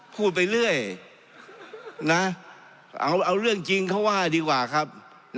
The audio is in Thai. พูดไปเรื่อยนะเอาเรื่องจริงเขาว่าดีกว่าครับ